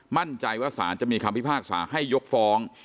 มั่นใจว่าสารจะมีคำพิพากษาให้ยกฟ้อง